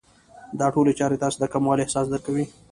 دا ټولې چارې تاسې ته د کموالي احساس درکوي.